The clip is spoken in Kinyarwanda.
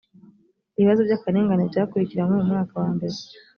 ibibazo by akarengane byakurikiranywe mu mwaka wambere